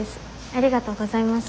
ありがとうございます。